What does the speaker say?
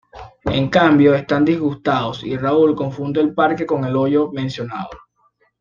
En cambio, están disgustados, y Raúl confunde el parque con el hoyo mencionado.